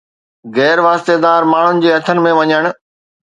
غير واسطيدار ماڻهن جي هٿن ۾ وڃڻ